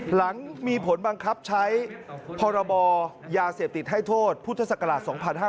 หลังมีผลบังคับใช้พรยาเสพติดให้โทษพศ๒๕๖๔